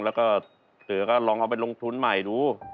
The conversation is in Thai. แล้วก็เสือก็ลองเอาไปลงทุนใหม่ดู